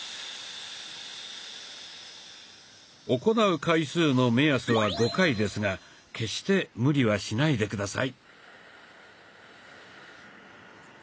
行う回数の目安は５回ですが決して無理はしないで下さい。